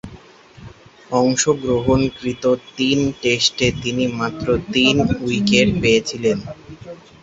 অংশগ্রহণকৃত তিন টেস্টে তিনি মাত্র তিন উইকেট পেয়েছিলেন।